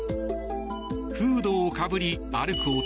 フードをかぶり、歩く男。